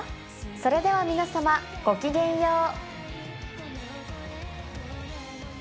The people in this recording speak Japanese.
それでは皆さまごきげんよう。